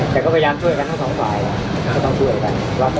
แต่ก็พยายามช่วยกันทั้งสองฝ่ายก็ต้องช่วยกัน